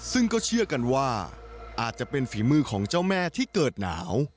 ซึ่งก็เชื่อกันว่าอาจจะเป็นฝีมือของเจ้าแม่ที่เกิดหนาว